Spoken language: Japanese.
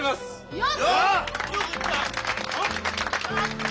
よっ！